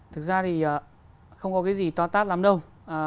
thực ra thì không có cái gì tóa tát lắm đâu